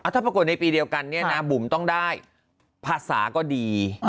ถ้าปรากฏในปีเดียวกันเนี่ยนะบุ๋มต้องได้ภาษาก็ดี